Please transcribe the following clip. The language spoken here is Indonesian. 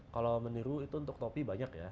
kalau meniru itu untuk topi banyak ya